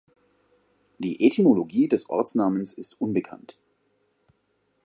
Die Etymologie des Ortsnamens ist unbekannt.